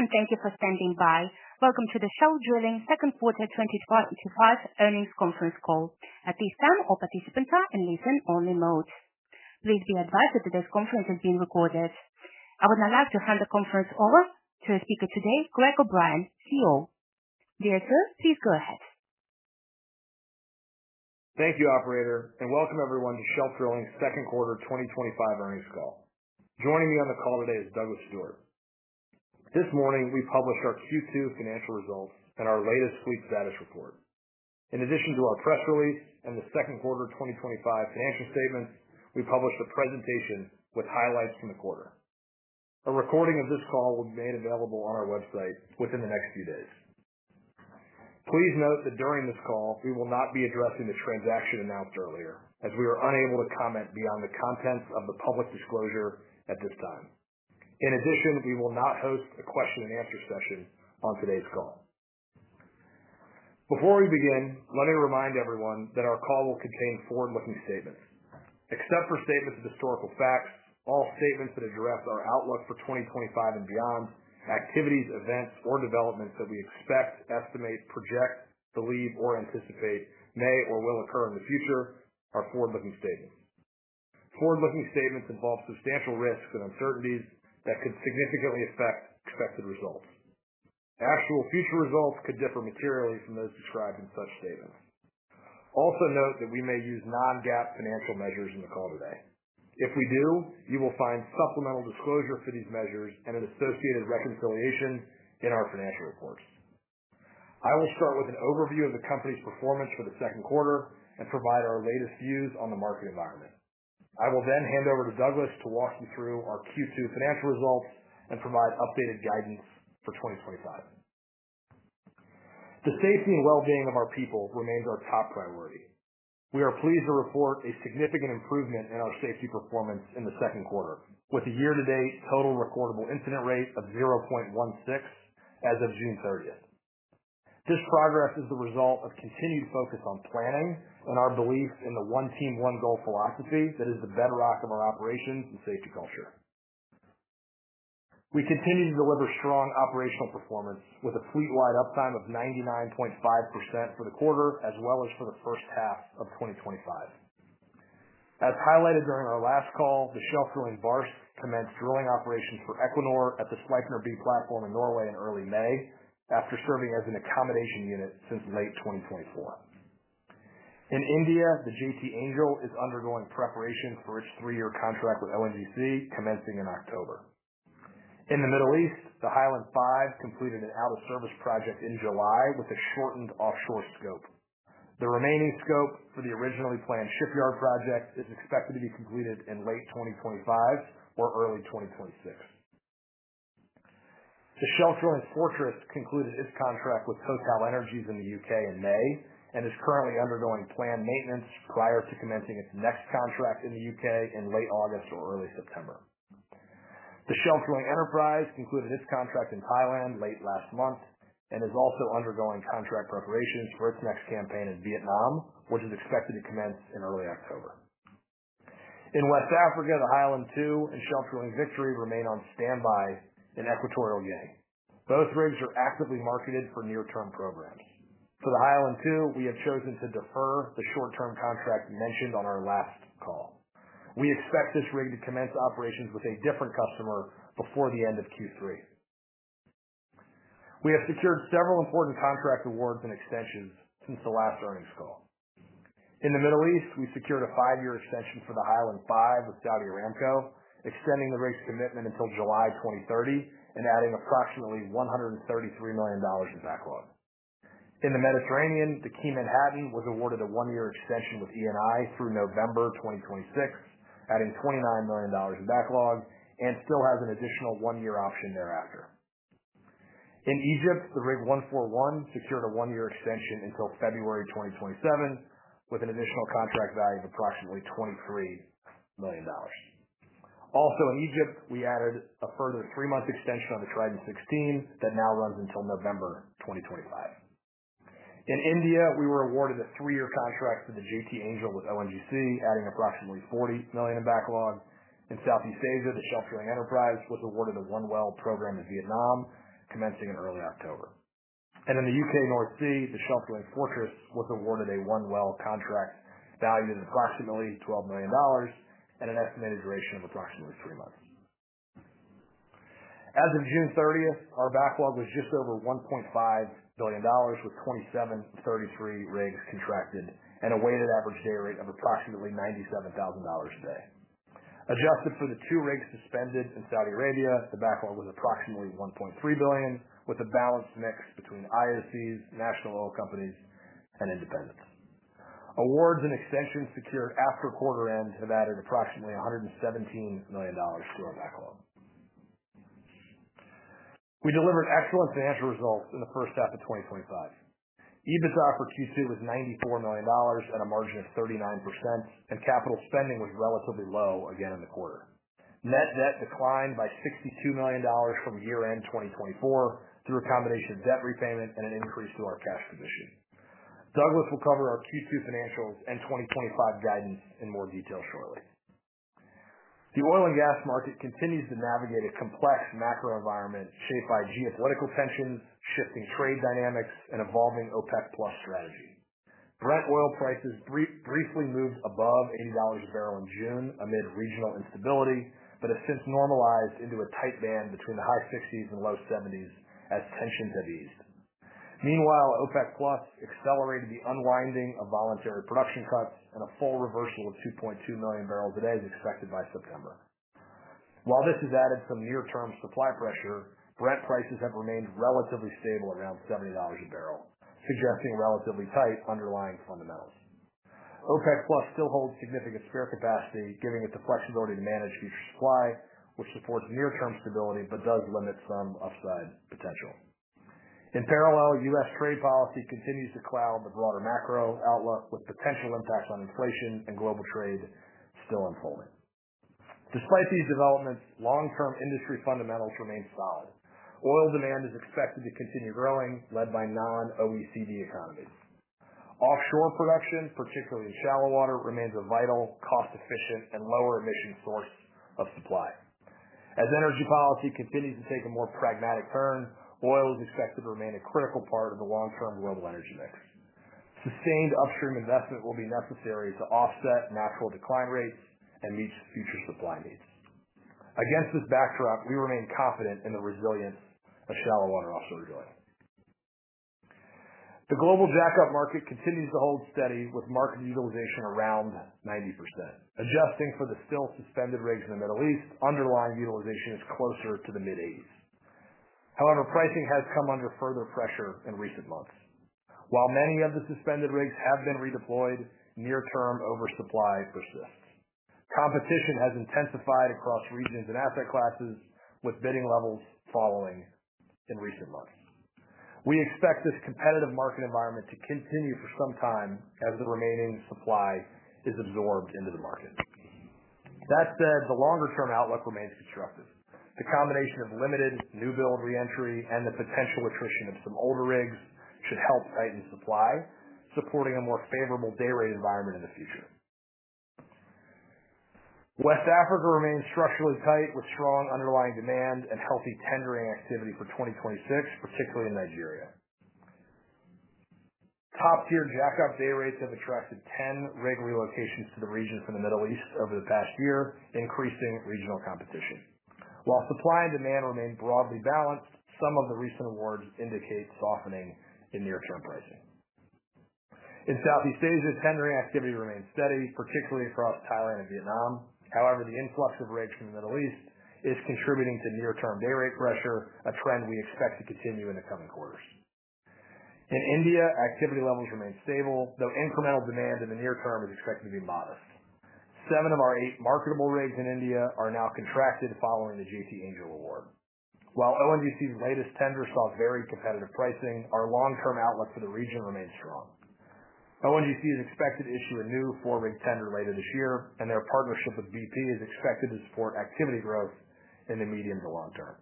Okay, and thank you for standing by. Welcome to the Shelf Drilling Second Quarter 2025 Earnings Conference Call. Please note all participants are in listen-only mode. Please be advised that this conference is being recorded. I would now like to hand the conference over to our speaker today, Gregory O’Brien, CEO. Dear sir, please go ahead. Thank you, operator, and welcome everyone to Shelf Drilling Second Quarter 2025 Earnings Call. Joining me on the call today is Douglas Stewart. This morning, we published our Q2 financial results and our latest fleet status report. In addition to our press release and the second quarter 2025 financial statements, we published the presentations with highlights from the quarter. A recording of this call will be made available on our website within the next few days. Please note that during this call, we will not be addressing the transaction announced earlier, as we are unable to comment beyond the contents of the public disclosure at this time. In addition, we will not host a question and answer session on today's call. Before we begin, let me remind everyone that our call will contain forward-looking statements. Exept for statements of historical facts, all statements that address our outlook for 2025 and beyond, activities, events, or developments that we expect, estimate, project, believe, or anticipate may or will occur in the future are forward-looking statements. Forward-looking statements involve substantial risks and uncertainties that could significantly affect expected results. Absolute future results could differ materially from those described in such statements. Also note that we may use non-GAAP financial measures in the call today. If we do, you will find supplemental disclosure for these measures and an associated reconciliation in our financial reports. I will start with an overview of the company's performance for the second quarter and provide our latest views on the market environment. I will then hand over to Douglas to walk you through our Q2 financial results and provide updated guidance for 2025. The safety and wellbeing of our people remains our top priority. We are pleased to report a significant improvement in our safety performance in the second quarter, with a year-to-date total recordable incident rate of 0.16 as of June 30. This progress is the result of continued focus on planning and our belief in the one team, one goal philosophy that is the bedrock of our operations and safety culture. We continue to deliver strong operational performance with a fleet-wide uptime of 99.5% for the quarter, as well as for the first half of 2025. As highlighted during our last call, the Shelf Drilling BART commenced drilling operations for Equinor at the Sleipner B platform in Norway in early May, after serving as an accommodation unit since late 2024. In India, the JT Angel is undergoing preparations for its three-year contract with L&T, commencing in October. In the Middle East, the Highland Five completed an out-of-service project in July with a shortened offshore scope. The remaining scope for the originally planned shipyard projects is expected to be completed in late 2025 or early 2026. The Shelf Drilling Fortress concluded its contract with TotalEnergies in the UK in May and is currently undergoing planned maintenance prior to commencing its next contract in the UK in late August or early September. The Shelf Drilling Enterprise concluded its contract in Thailand late last month and is also undergoing contract preparations for its next campaign in Vietnam, which is expected to commence in early October. In West Africa, the Highland Two and Shelf Drilling Victory remain on standby in Equatorial Guinea. Both rigs are actively marketed for near-term programs. For the Highland Two, we have chosen to defer the short-term contract mentioned on our last call. We expect this rig to commence operations with a different customer before the end of Q3. We have secured several important contract awards and extensions since the last earnings call. In the Middle East, we secured a five-year extension for the Highland Five with Saudi Aramco, extending the rig's commitment until July 2030 and adding approximately $133 million in backlog. In the Mediterranean, the King and Happy was awarded a one-year extension with ENI through November 2026, adding $29 million in backlog, and still has an additional one-year option thereafter. In Egypt, the Rig 141 secured a one-year extension until February 2027, with an additional contract value of approximately $23 million. Also in Egypt, we added a further three-month extension on the Trident 16 that now runs until November 2025. In India, we were awarded a three-year contract for the JT Angel with L&T, adding approximately $40 million in backlog. In Southeast Asia, the Shelf Drilling Enterprise was awarded a one-well program in Vietnam, commencing in early October. In the UK North Sea, the Shelf Drilling Fortress was awarded a one-well contract valued at approximately $12 million and an estimated duration of approximately three months. As of June 30th, our backlog was just over $1.5 billion, with 27 of 33 rigs contracted and a weighted average day rate of approximately $97,000 a day. Adjusted for the two rigs suspended in Saudi Arabia, the backlog was approximately $1.3 billion, with a balanced mix between IOCs, national oil companies, and independents. Awards and extensions secured after quarter end have added approximately $117 million to our backlog. We delivered excellent financial results in the first half of 2025. EBITDA for Q2 was $94 million and a margin of 39%, and capital spending was relatively low again in the quarter. Net debt declined by $62 million from year-end 2024 through a combination of debt repayment and an increase through our cash submission. Douglas will cover our Q2 financials and 2025 guidance in more detail shortly. The oil and gas market continues to navigate a complex macro environment shaped by geopolitical tensions, shifting trade dynamics, and evolving OPEC+ strategy. Brent oil prices briefly moved above $80 a barrel in June amid regional instability, but have since normalized into a tight band between the high 50s and low 70s as tensions have eased. Meanwhile, OPEC+ accelerated the unwinding of voluntary production cuts and a full reversal of 2.2 million barrels a day is expected by September. While this has added some near-term supply pressure, Brent prices have remained relatively stable at around $70 a barrel, suggesting relatively tight underlying fundamentals. OPEC+ still holds significant spare capacity, giving it the flexibility to manage the supply, which supports near-term stability but does limit some upside potential. In parallel, U.S. trade policy continues to cloud the broader macro outlook, with potential impacts on inflation and global trade still unfolding. Despite these developments, long-term industry fundamentals remain solid. Oil demand is expected to continue growing, led by non-OECD economies. Offshore production, particularly shallow water, remains a vital, cost-efficient, and lower emission source of supply. As energy policy continues to take a more pragmatic turn, oil is expected to remain a critical part of the long-term global energy mix. Sustained upstream investment will be necessary to offset natural decline rates and meet future supply needs. Against this backdrop, we remain confident in the resilience of shallow water offshore drilling. The global jackup market continues to hold steady, with market utilization around 90%. Adjusting for the still suspended rigs in the Middle East, underlying utilization is closer to the mid-eighties. However, pricing has come under further pressure in recent months. While many of the suspended rigs have been redeployed, near-term oversupply persists. Competition has intensified across regions and asset classes, with bidding levels falling in recent months. We expect this competitive market environment to continue for some time as the remaining supply is absorbed into the market. That said, the longer-term outlook remains disruptive. The combination of limited new build reentry and the potential attrition of some older rigs should help tighten supply, supporting a more favorable day rate environment in the future. West Africa remains structurally tight, with strong underlying demand and healthy tendering activity for 2026, particularly in Nigeria. Top-tier jackup day rates have attracted ten rig relocations to the region in the Middle East over the past year, increasing regional competition. While supply and demand remain broadly balanced, some of the recent awards indicate softening in near-term pricing. In Southeast Asia, tendering activity remains steady, particularly throughout Thailand and Vietnam. However, the influx of rigs from the Middle East is contributing to near-term day rate pressure, a trend we expect to continue in the coming quarters. In India, activity levels remain stable, though incremental demand in the near term is expected to be modest. Seven of our eight marketable rigs in India are now contracted following the J.T. Angel award. While ONGC's latest tender saw very competitive pricing, our long-term outlook for the region remains strong. ONGC is expected to issue a new four-rig tender later this year, and their partnership with BP is expected to support activity growth in the medium to long term.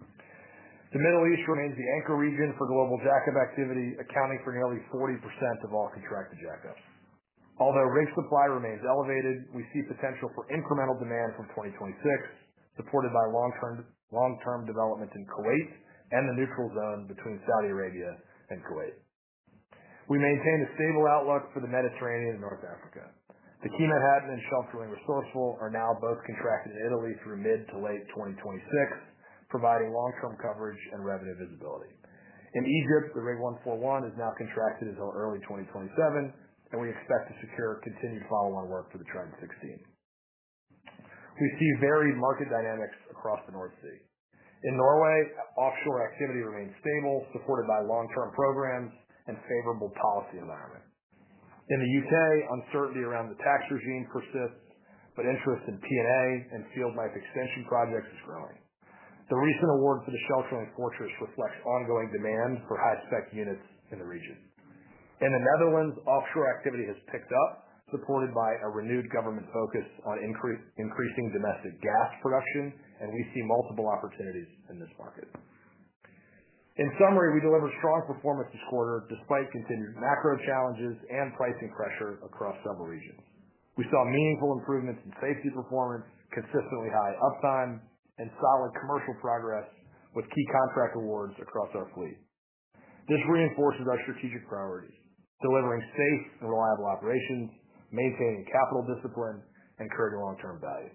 The Middle East remains the anchor region for global jackup activity, accounting for nearly 40% of all contracted jackup. Although rig supply remains elevated, we see potential for incremental demand from 2026, supported by long-term development in Kuwait and the neutral zone between Saudi Arabia and Kuwait. We maintain a stable outlook for the Mediterranean and North Africa. The King and Hattan and Shell Shoring Resourceful are now both contracted in Italy through mid to late 2026, providing long-term coverage and revenue visibility. In Egypt, the Rig 141 is now contracted until early 2027, and we expect to secure continued follow-on work for the Trident 16. We see varied market dynamics across the North Sea. In Norway, offshore activity remains stable, supported by long-term programs and a favorable policy environment. In the UK, uncertainty around the tax regime persists, but interest in TNA and sealed might extension projects is growing. The recent award for the Shelf Drilling Fortress reflects ongoing demand for high-spec units in the region. In the Netherlands, offshore activity has picked up, supported by a renewed government focus on increasing domestic gas production, and we see multiple opportunities in this market. In summary, we delivered strong performance this quarter, despite continued macro challenges and pricing pressure across several regions. We saw meaningful improvements in safety performance, consistently high uptime, and solid commercial progress, with key contract awards across our fleet. This reinforces our strategic priorities, delivering safe, reliable operations, maintaining capital discipline, and creating long-term value.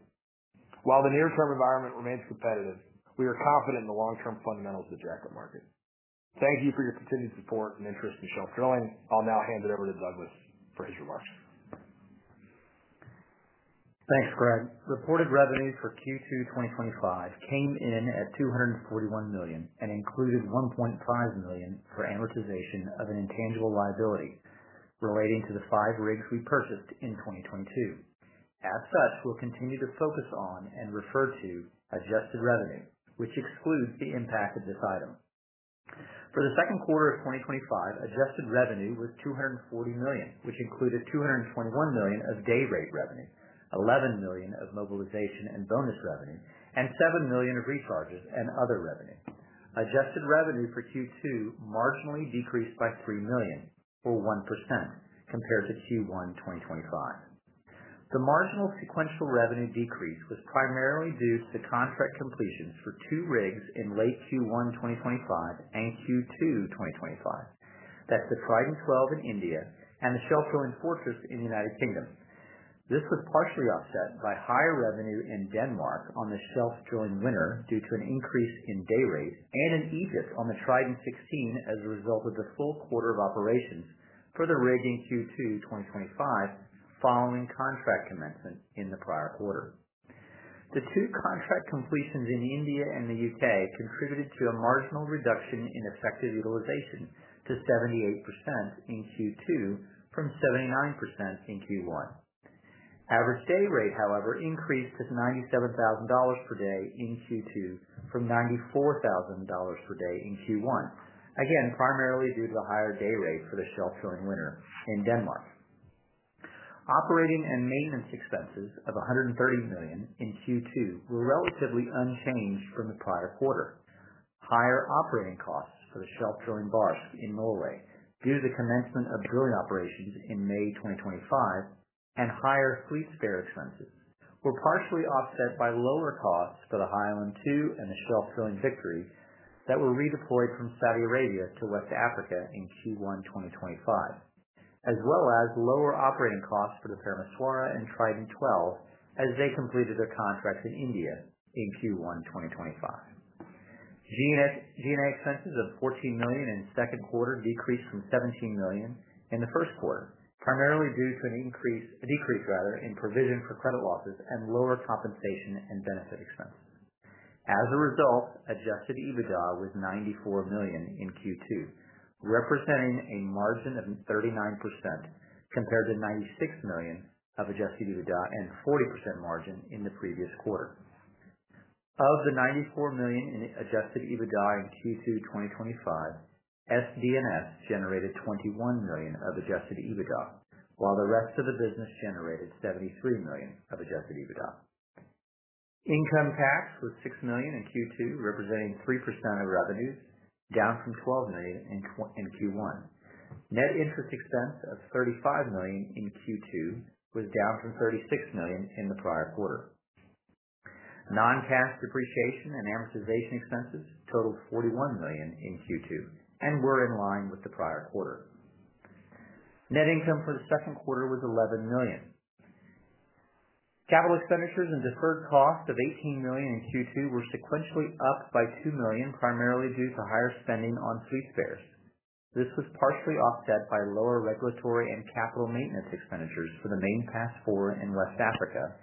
While the near-term environment remains competitive, we are confident in the long-term fundamentals of the jackup market. Thank you for your continued support and interest in Shelf Drilling. I'll now hand it over to Douglas for his remarks. Thanks, Greg. Reported revenue for Q2 2025 came in at $241 million and included $1.5 million for amortization of an intangible liability relating to the five rigs we purchased in 2022. As such, we'll continue to focus on and refer to adjusted revenue, which excludes the impact of this item. For the second quarter of 2025, adjusted revenue was $240 million, which included $221 million of day rate revenue, $11 million of mobilization and bonus revenue, and $7 million of recharges and other revenue. Adjusted revenue for Q2 marginally decreased by $3 million or 1% compared to Q1 2025. The marginal sequential revenue decrease was primarily due to the contract completions for two rigs in late Q1 2025 and Q2 2025. That's the Trident XII in India and the Shelf Drilling Fortress in the United Kingdom. This was partially offset by higher revenue in Denmark on the Shelf Drilling Winner due to an increase in day rate, and in Egypt on the Trident 16 as a result of the full quarter of operations for the rig in Q2 2025 following contract commencement in the prior quarter. The two contract completions in India and the UK contributed to a marginal reduction in effective utilization to 78% in Q2 from 79% in Q1. Average day rate, however, increased to $97,000 per day in Q2 from $94,000 per day in Q1, again, primarily due to the higher day rate for the Shelf Drilling Winner in Denmark. Operating and maintenance expenses of $130 million in Q2 were relatively unchanged from the prior quarter. Higher operating costs for the Shelf Drilling BART in Norway due to the commencement of drilling operations in May 2025 and higher fleet spare expenses were partially offset by lower costs for the Highland Two and the Shelf Drilling Victory that were redeployed from Saudi Arabia to West Africa in Q1 2025, as well as lower operating costs for the Parameswara and Trident XII as they completed their contracts in India in Q1 2025. G&A expenses of $14 million in the second quarter decreased from $17 million in the first quarter, primarily due to a decrease in provision for credit losses and lower compensation and benefit expenses. As a result, adjusted EBITDA was $94 million in Q2, representing a margin of 39% compared to $96 million of adjusted EBITDA and 40% margin in the previous quarter. Of the $94 million in adjusted EBITDA in Q2 2025, SDNS generated $21 million of adjusted EBITDA, while the rest of the business generated $73 million of adjusted EBITDA. Income tax was $6 million in Q2, representing 3% of revenues, down from $12 million in Q1. Net interest expense of $35 million in Q2 was down from $36 million in the prior quarter. Non-cash depreciation and amortization expenses totaled $41 million in Q2 and were in line with the prior quarter. Net income for the second quarter was $11 million. Capital expenditures and deferred costs of $18 million in Q2 were sequentially up by $2 million, primarily due to higher spending on fleet spares. This was partially offset by lower regulatory and capital maintenance expenditures for the Main Pass IV in West Africa,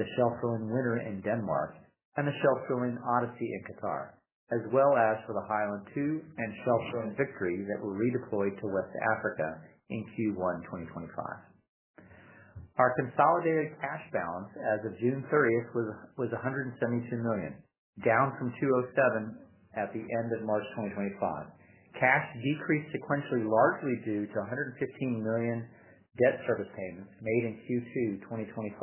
the Shelf Drilling Winner in Denmark, and the Shelf Drilling Odyssey in Qatar, as well as for the Highland II and Shelf Drilling Victory that were redeployed to West Africa in Q1 2025. Our consolidated cash balance as of June 30th was $172 million, down from $207 million at the end of March 2025. Cash decreased sequentially largely due to $115 million debt service payments made in Q2 2025,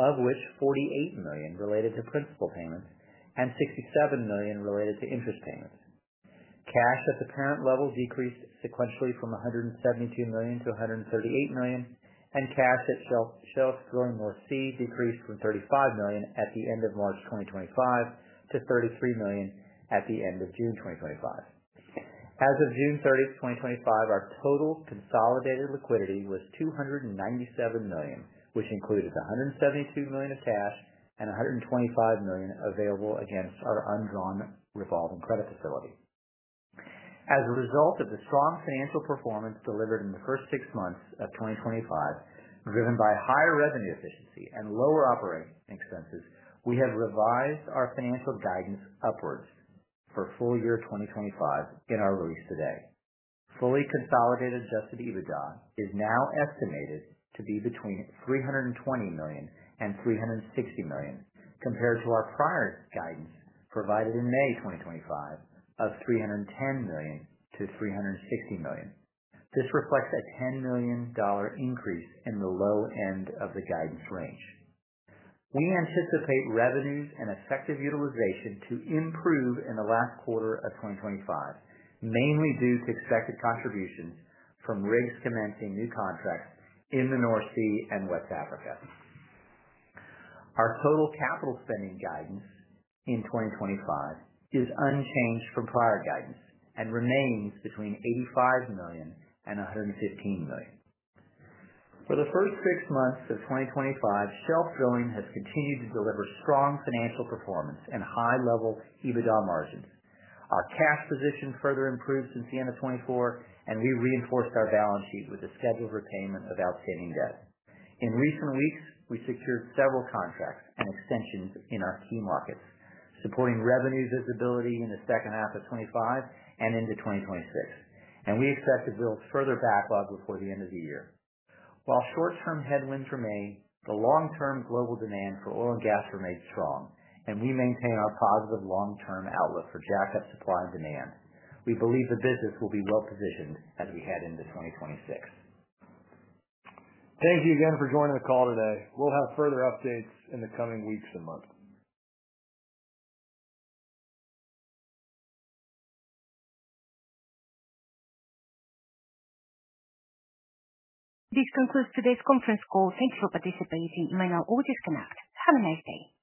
of which $48 million related to principal payments and $67 million related to interest payments. Cash at the parent level decreased sequentially from $172 million to $138 million, and cash at Shelf Drilling (North Sea) decreased from $35 million at the end of March 2025 to $33 million at the end of June 2025. As of June 30th, 2025, our total consolidated liquidity was $297 million, which included $173 million of cash and $125 million available against our undrawn revolving credit facility. As a result of the strong financial performance delivered in the first six months of 2025, driven by high revenue efficiency and lower operating expenses, we have revised our financial guidance upwards for full year 2025 in our release today. Fully consolidated adjusted EBITDA is now estimated to be between $320 million and $360 million, compared to our prior guidance provided in May 2025 of $310 million to $360 million. This reflects a $10 million increase in the low end of the guidance range. We anticipate revenues and effective utilization to improve in the last quarter of 2025, mainly due to the expected contributions from rigs commencing new contracts in the North Sea and West Africa. Our total capital spending guidance in 2025 is unchanged from prior guidance and remains between $85 million and $115 million. For the first six months of 2025, Shelf Drilling has continued to deliver strong financial performance and high-level EBITDA margins. Our cash position further improved since the end of 2024, and we reinforced our balances with a scheduled repayment of outstanding debt. In recent weeks, we secured several contracts and extensions in our key markets, supporting revenue visibility in the second half of 2025 and into 2026, and we expect to build further backlog before the end of the year. While short-term headwinds remain, the long-term global demand for oil and gas remains strong, and we maintain our positive long-term outlook for jack-up supply and demand. We believe the business will be well-positioned as we head into 2026. Thank you again for joining the call today. We'll have further updates in the coming weeks and months. This concludes today's conference call. Thank you for participating. My name is Augustinas. Have a nice day.